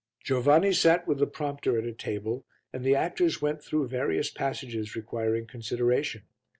Giovanni sat with the prompter at a table and the actors went through various passages requiring consideration.